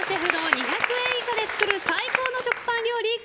２００円以下の最高の食パン料理とは？